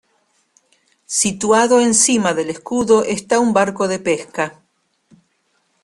Situado encima del escudo esta un barco de pesca.